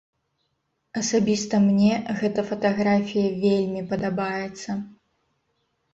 Асабіста мне гэта фатаграфія вельмі падабаецца.